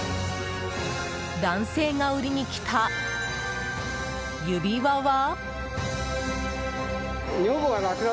男性が売りにきた指輪は？